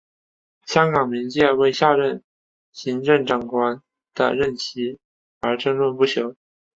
香港各界为下一任行政长官的任期而争论不休。